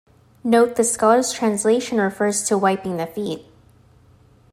Note this scholars translation refers to wiping the feet.